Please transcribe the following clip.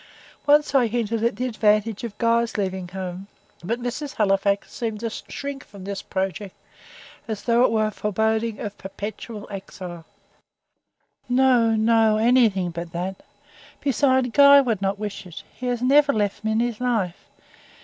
Once I hinted at the advantage of Guy's leaving home; but Mrs. Halifax seemed to shrink from this project as though it were a foreboding of perpetual exile. "No, no; anything but that. Beside, Guy would not wish it. He has never left me in his life.